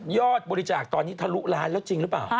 บริจาคตอนนี้ทะลุล้านแล้วจริงหรือเปล่า